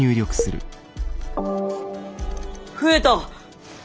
増えた！